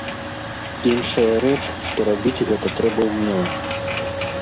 Іншая рэч, што рабіць гэта трэба ўмела.